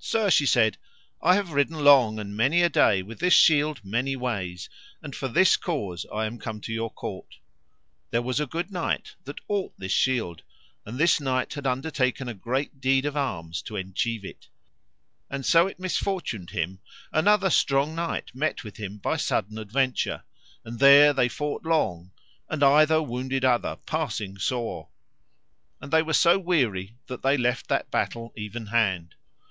Sir, she said, I have ridden long and many a day with this shield many ways, and for this cause I am come to your court: there was a good knight that ought this shield, and this knight had undertaken a great deed of arms to enchieve it; and so it misfortuned him another strong knight met with him by sudden adventure, and there they fought long, and either wounded other passing sore; and they were so weary that they left that battle even hand.